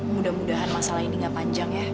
mudah mudahan masalah ini gak panjang ya